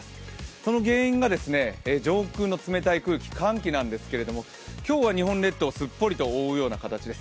その原因が上空の冷たい空気、寒気なんですけれども今日は日本列島をすっぽりと覆うような感じです。